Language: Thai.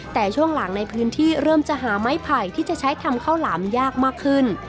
แต่ช่วงหลังในพื้นที่เริ่มจะหาไม้ไผ่ที่จะใช้ทำข้าวหลามยากมากขึ้น